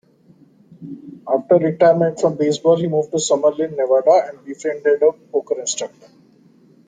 After retirement from baseball he moved to Summerlin, Nevada and befriended a poker instructor.